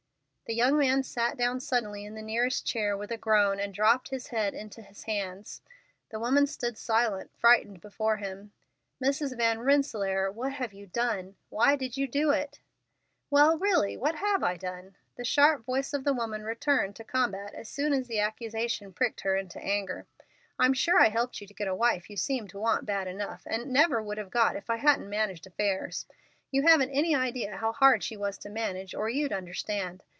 The young man sat down suddenly in the nearest chair with a groan, and dropped his head into his hands. The woman stood silent, frightened, before him. "Mrs. Van Rensselaer, what have you done? Why did you do it?" "Well, really, what have I done?" The sharp voice of the woman returned to combat as soon as the accusation pricked her into anger. "I'm sure I helped you to get a wife you seemed to want bad enough and never would have got if I hadn't managed affairs. You haven't any idea how hard she was to manage or you'd understand.